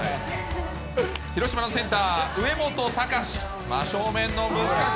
広島のセンター、上本たかし。